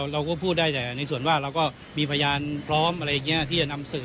เราก็พูดได้แต่เป็นส่วนถึงว่ามีพยานพร้อมอะไรอย่างเนี่ยที่จะนำเสริม